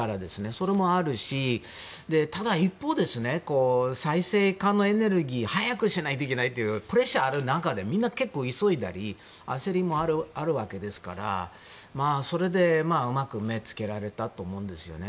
それもあるし、ただ一方再生可能エネルギー早くしないといけないというプレッシャーがある中でみんな結構、急いだり焦りもあるわけですからそれで、うまく目をつけられたと思うんですよね。